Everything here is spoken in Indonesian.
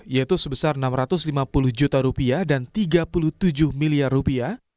yaitu sebesar enam ratus lima puluh juta rupiah dan tiga puluh tujuh miliar rupiah